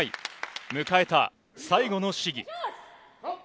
迎えた最後の試技。